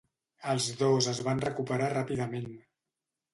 Els dos es van recuperar ràpidament.